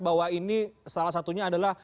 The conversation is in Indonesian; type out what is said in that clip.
bahwa ini salah satunya adalah